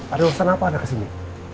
ada urusan apa ada kesini